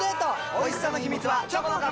おいしさの秘密はチョコの壁！